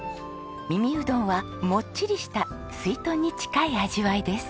耳うどんはモッチリしたすいとんに近い味わいです。